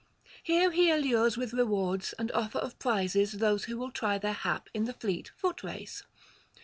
Here he allures with rewards and offer of prizes those who will try their hap in the fleet foot race.